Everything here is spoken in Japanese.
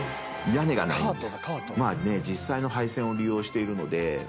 ⁉屋根がないんです。